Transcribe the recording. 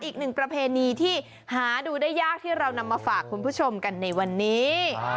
อีกหนึ่งประเพณีที่หาดูได้ยากที่เรานำมาฝากคุณผู้ชมกันในวันนี้